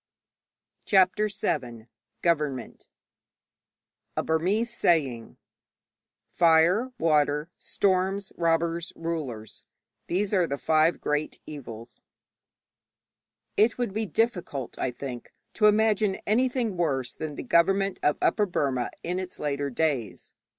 CHAPTER VII GOVERNMENT 'Fire, water, storms, robbers, rulers these are the five great evils.' Burmese saying. It would be difficult, I think, to imagine anything worse than the government of Upper Burma in its later days.